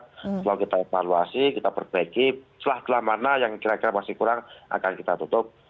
kalau kita evaluasi kita perbaiki setelah mana yang kira kira masih kurang akan kita tutup